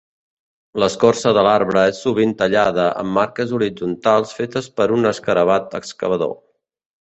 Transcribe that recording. L'escorça de l'arbre és sovint tallada amb marques horitzontals fetes per un escarabat excavador.